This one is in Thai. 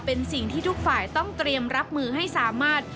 เป็นสิ่งที่ทุกฝ่ายต้องเตรียมรับมือให้สามารถ